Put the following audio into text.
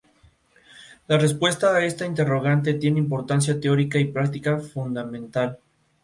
La respuesta a esta interrogante tiene importancia teórica y práctica fundamental.